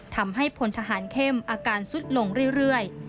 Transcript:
พลทหารเข้มอาการสุดลงเรื่อย